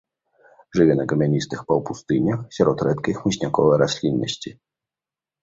Жыве на камяністых паўпустынях, сярод рэдкай хмызняковай расліннасці.